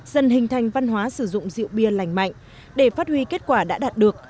dần hình thành văn hóa sử dụng rượu bia lành mạnh để phát huy kết quả đã đạt được